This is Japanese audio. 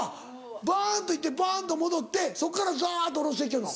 バンといってバンと戻ってそっからザっと下ろしていきよるの？